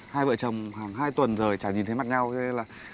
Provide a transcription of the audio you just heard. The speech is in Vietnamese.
hai vợ chồng hàng hai tuần rời chả nhìn thấy mặt chồng chúng ta